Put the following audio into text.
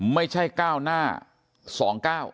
ไม่ใช่ก้าวหน้าสองก้าว